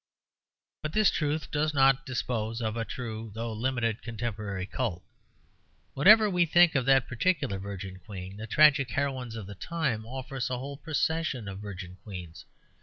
But this truth does not dispose of a true, though limited, contemporary cult. Whatever we think of that particular Virgin Queen, the tragic heroines of the time offer us a whole procession of virgin queens.